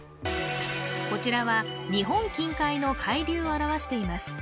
こちらは日本近海の海流を表しています